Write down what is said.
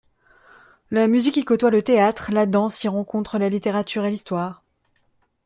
La musique y côtoie le théâtre, la danse y rencontre la littérature et l’histoire.